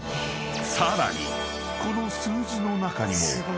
［さらにこの数字の中にも］あ！